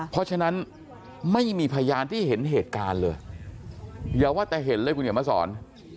เพราะฉะนั้นไม่มีพยานที่เห็นเหตุการณ์เลยอย่าว่าแต่เห็นเลยคุณเขียนมาสอน